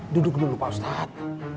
duduk dulu pak ustadz